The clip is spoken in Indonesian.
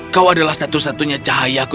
kau adalah satu satunya cahayaku